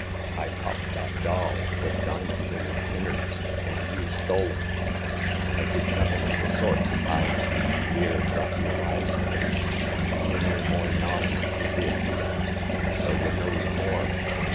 I popped that doll, with dimins in *is innards, an* you stole 'm." I did nothing of the sort. I *'" 'Ere ! drop yer lies, y* imp ! Y' know moy naime, y* did, so y' knows more